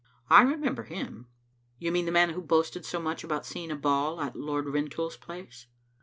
I remember him. You mean the man who boasted so much about seeing a ball at Lord Rintoul's place?"